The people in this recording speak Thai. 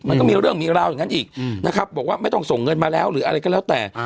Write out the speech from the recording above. มันก็มีเรื่องมีราวอย่างนั้นอีกนะครับบอกว่าไม่ต้องส่งเงินมาแล้วหรืออะไรก็แล้วแต่